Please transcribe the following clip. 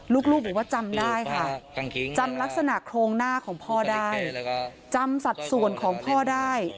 ลูกบอกว่าจำได้ค่ะจำลักษณะโครงหน้าของพ่อได้จำสัดส่วนของพ่อได้